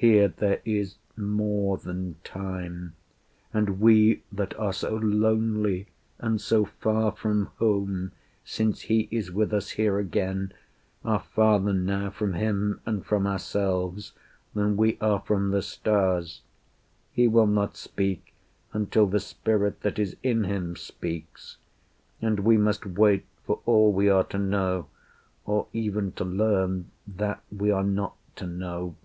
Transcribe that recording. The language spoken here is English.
Here there is more than Time; And we that are so lonely and so far From home, since he is with us here again, Are farther now from him and from ourselves Than we are from the stars. He will not speak Until the spirit that is in him speaks; And we must wait for all we are to know, Or even to learn that we are not to know.